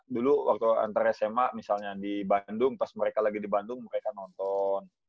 dulu waktu antar sma misalnya di bandung pas mereka lagi di bandung mereka nonton